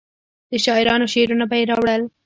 د شاعرانو شعرونه به یې راوړل.